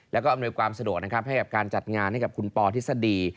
แล้วก็อำนวยความสะดวกนะครับให้กับการจัดงานให้กับคุณปอทฤษฎี